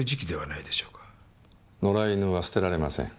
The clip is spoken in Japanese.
野良犬は捨てられません。